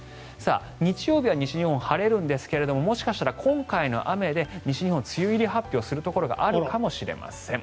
日曜日は西日本晴れるんですがもしかしたら今回の雨で西日本は梅雨入り発表するところがあるかもしれません。